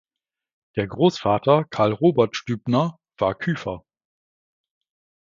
Der Großvater Karl-Robert Stübner war Küfer.